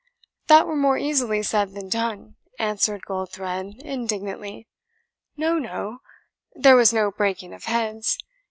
"That were more easily said than done," answered Goldthred indignantly; "no, no there was no breaking of heads.